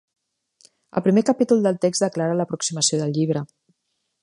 El primer capítol del text declara l'aproximació del llibre.